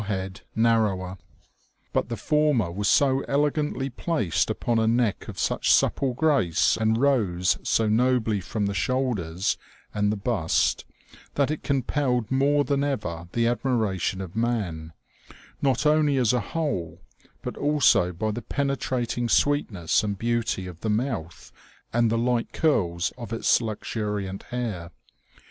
799 head narrower ; but the former was so elegantly placed upon a neck of such supple grace, and rose so nobly from the shoulders and the bust, that it compelled more than ever the admiration of man, not only as a whole, but also by the penetrating sweetness and beauty of the mouth and the light curls of its luxuriant hair.